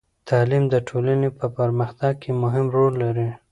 تعلیم د ټولنې په پرمختګ کې مهم رول لري.